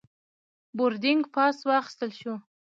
بوردینګ پاس واخیستل شو.